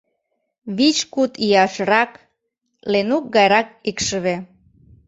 Вич-куд ияшрак, Ленук гайрак икшыве.